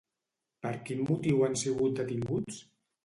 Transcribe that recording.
Per quin motiu han sigut detinguts?